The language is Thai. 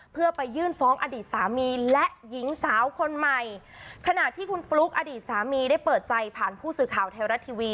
เพื่อไปยื่นฟ้องอดีตสามีและหญิงสาวคนใหม่ขณะที่คุณฟลุ๊กอดีตสามีได้เปิดใจผ่านผู้สื่อข่าวไทยรัฐทีวี